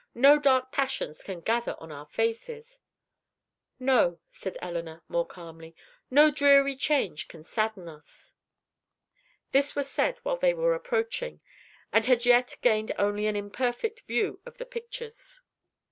No dark passions can gather on our faces!" "No," said Elinor, more calmly; "no dreary change can sadden us." This was said while they were approaching, and had yet gained only an imperfect view of the pictures.